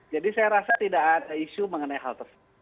saya rasa tidak ada isu mengenai hal tersebut